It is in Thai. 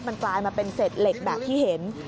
มันกลายมาเป็นเศษเหล็กแบบที่เห็น